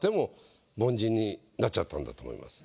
なっちゃったんだと思います。